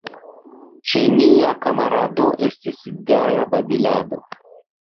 Ĉe nia kamarado Estis gaja babilado!